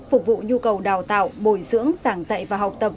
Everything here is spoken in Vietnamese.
phục vụ nhu cầu đào tạo bồi dưỡng sảng dạy và học tập